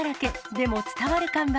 でも伝わる看板。